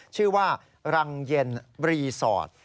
ชื่อว่ารังเย็นรีสอร์ท